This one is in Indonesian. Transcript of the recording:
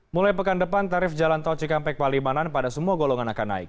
mulai pekan depan tarif jalan tol cikampek palimanan pada semua golongan akan naik